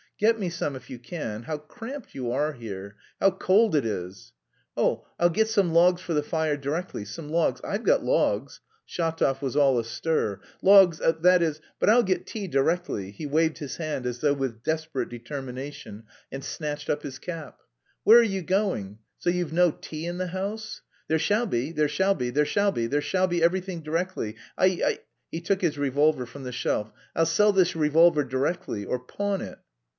Get me some if you can. How cramped you are here. How cold it is!" "Oh, I'll get some logs for the fire directly, some logs... I've got logs." Shatov was all astir. "Logs... that is... but I'll get tea directly," he waved his hand as though with desperate determination and snatched up his cap. "Where are you going? So you've no tea in the house?" "There shall be, there shall be, there shall be, there shall be everything directly.... I..." he took his revolver from the shelf, "I'll sell this revolver directly... or pawn it...."